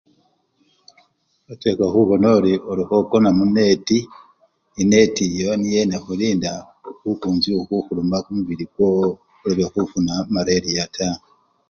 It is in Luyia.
Wakhile khubona ori khokona muneti, eneti eyo niyo ekhulinda bukunjju nebulobe khukhuluma ofune mareriya taa.